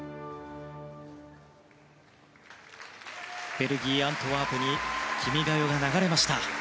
ベルギー・アントワープに「君が代」が流れました。